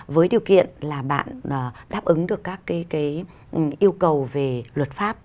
với điều kiện là bạn đáp ứng được các cái yêu cầu về luật pháp